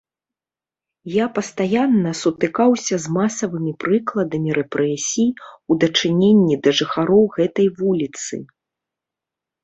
Я пастаянна сутыкаўся з масавымі прыкладамі рэпрэсій у дачыненні да жыхароў гэтай вуліцы.